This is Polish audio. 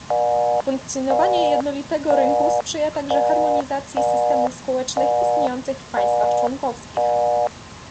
Funkcjonowanie jednolitego rynku sprzyja także harmonizacji systemów społecznych istniejących w państwach członkowskich